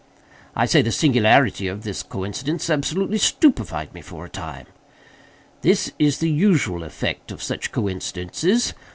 I say the singularity of this coincidence absolutely stupefied me for a time. This is the usual effect of such coincidences.